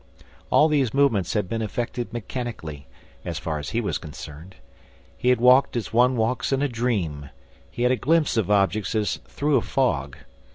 All these movements had been effected mechanically, as far as he was concerned. He had walked as one walks in a dream; he had a glimpse of objects as through a fog.